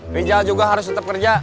bejal juga harus tetap kerja